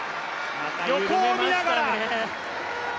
横を見ながら。